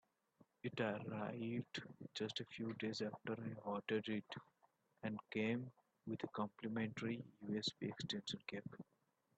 It arrived just a few days after I ordered it, and came with a complementary USB extension cable.